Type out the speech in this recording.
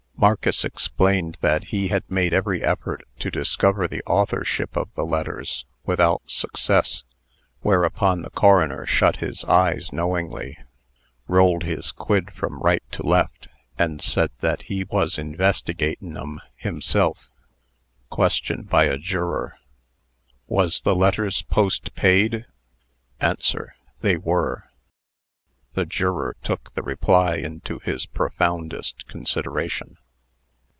Marcus explained that he had made every effort to discover the authorship of the letters, without success; whereupon the coroner shut his eyes knowingly, rolled his quid from right to left, and said that he was "investigatin' 'em" himself. QUESTION BY A JUROR. "Wos the letters postpaid?" ANSWER. "They were." The juror took the reply into his profoundest consideration.